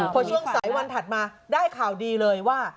พอช่วงสายวันถัดมาได้ข่าวดีเลยว่า